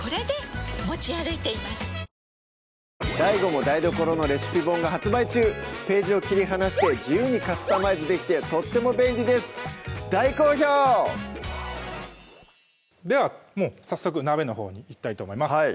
ＤＡＩＧＯも台所のレシピ本が発売中ページを切り離して自由にカスタマイズできてとっても便利です大好評！では早速鍋のほうにいきたいと思います